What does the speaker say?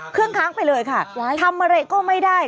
เครื่องค้างไปเลยค่ะทำอะไรก็ไม่ได้